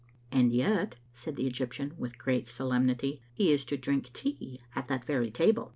"And yet," said the Egyptian, with great solemnity, " he is to drink tea at that very table.